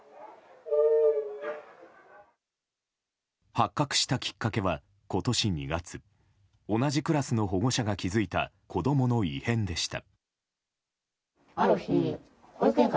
発覚したきっかけは今年２月同じクラスの保護者が気付いた子供の異変でした。